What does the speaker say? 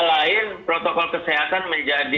lain protokol kesehatan menjadi